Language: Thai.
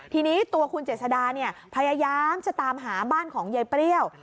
ทีนี้ตัวคุณเจษดาเนี่ยพยายามจะตามหาบ้านของยายเปรี้ยว